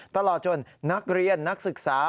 ตลอดจนนักเรียนนักศึกษา